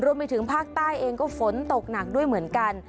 รวมไปถึงภาคใต้เองก็ฝนตกหนักด้วยเหมือนกัน